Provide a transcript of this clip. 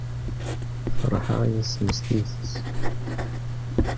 Feṛḥeɣ yes-m s tidet.